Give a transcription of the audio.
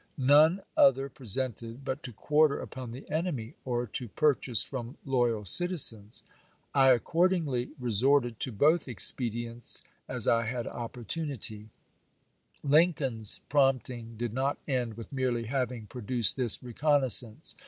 None other pre sented but to quarter upon the enemy or to pur LINCOLN DIEECTS COOPEEATION ' 107 chase from loyal citizens. I accordingly resorted chap. vi. to both expedients as I had opportunity." Lincoln's prompting did not end with merely having pro duced this reconnaissance.